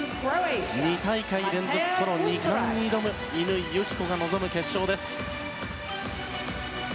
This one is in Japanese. ２大会連続ソロ２冠に挑む乾友紀子の決勝です。